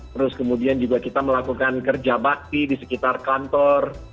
terus kemudian juga kita melakukan kerja bakti di sekitar kantor